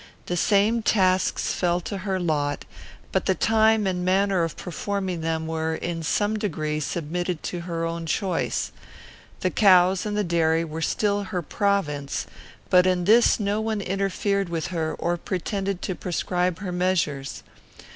The same tasks fell to her lot; but the time and manner of performing them were, in some degree, submitted to her own choice. The cows and the dairy were still her province; but in this no one interfered with her or pretended to prescribe her measures.